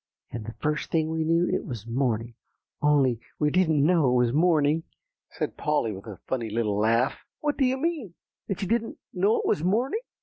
And the first thing we knew it was morning, only we didn't know it was morning," said Polly, with a funny little laugh. "What do you mean, that you didn't know it was morning?"